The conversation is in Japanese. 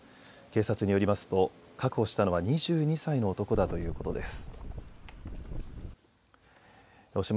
警察によりますと確保したのは２２歳の男だということです。